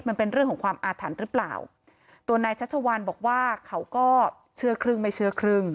มันเป็นเรื่องของความอาถรรพ์หรือเปล่าตัวนายชัชวัลบอกว่าเขาก็เชื่อครึ่งไม่เชื่อครึ่ง